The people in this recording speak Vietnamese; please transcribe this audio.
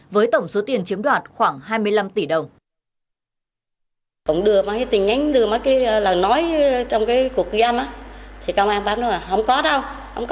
với tổng số tiền chiếm đoạt khoảng hai mươi năm tỷ đồng